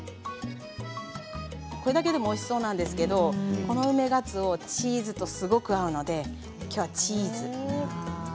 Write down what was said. これだけでもおいしそうなんですけれど梅がつおチーズとすごく合うのできょうはチーズです。